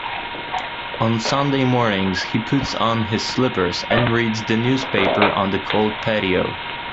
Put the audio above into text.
On Sunday mornings, he puts on his slippers and reads the newspaper on the cold patio.